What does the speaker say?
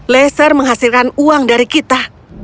laser menghasilkan uang dari kita